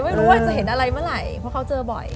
ไม่รู้ว่าจะเห็นอะไรเมื่อไหร่เพราะเขาเจอบ่อย